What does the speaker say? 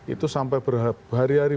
itu sampai berhari hari